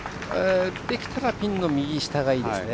できたらピンの右下がいいですね。